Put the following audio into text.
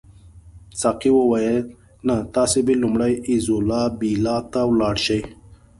ساقي وویل نه تاسي به لومړی ایزولا بیلا ته ولاړ شئ.